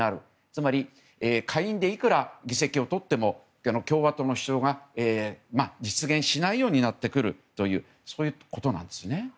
つまり下院でいくら議席をとっても共和党の主張が実現しないようになってくるというそういうことなんですね。